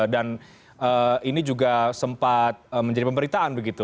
dan ini juga sempat menjadi pemberitaan